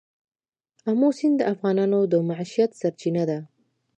آمو سیند د افغانانو د معیشت سرچینه ده.